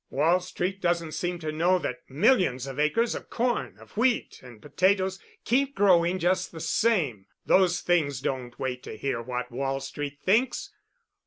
Wall Street doesn't seem to know that millions of acres of corn, of wheat, and potatoes keep growing just the same. Those things don't wait to hear what Wall Street thinks.